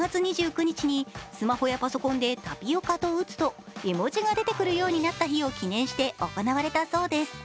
昨日、犬がタピオカドリンクを作る「タピオカ」と打つと絵文字が出てくるようになった日を記念して行われたそうです。